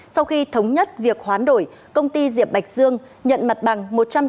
sau khi thống nhất việc hoán đổi công ty diệp bạch dương nhận mặt bằng